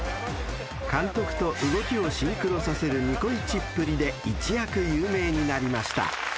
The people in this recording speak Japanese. ［監督と動きをシンクロさせるニコイチっぷりで一躍有名になりました］